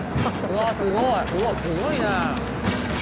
うわすごいなあ！